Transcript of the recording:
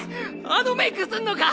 あのメイクすんのか？